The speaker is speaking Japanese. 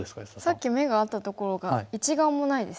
さっき眼があったところが一眼もないですね。